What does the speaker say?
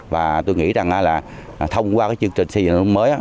và tôi nghĩ rằng là thông qua cái chương trình xây dựng thông thông mới